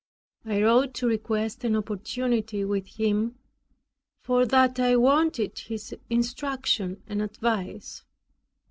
I wrote to request an opportunity with him, for that I wanted his instruction and advice.